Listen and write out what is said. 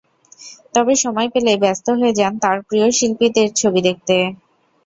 তবে সময় পেলেই ব্যস্ত হয়ে যান তাঁর প্রিয় শিল্পীদের ছবি দেখতে।